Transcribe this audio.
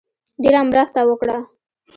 ډېره مرسته وکړه.